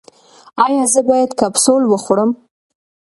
ایا زه باید کپسول وخورم؟